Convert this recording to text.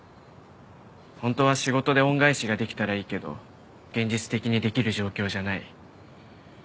本当は仕事で恩返しができたらいいけど現実的にできる状況じゃない。